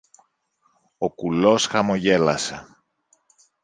Ο κουλός χαμογέλασε.